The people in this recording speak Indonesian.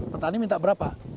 petani minta berapa